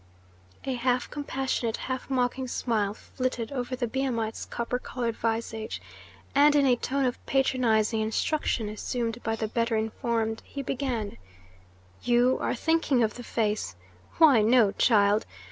A half compassionate, half mocking smile flitted over the Biamite's copper coloured visage, and in a tone of patronizing instruction assumed by the better informed, he began: "You are thinking of the face? Why no, child!